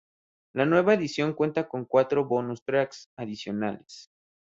La nueva edición cuenta con cuatro "bonus tracks" adicionales.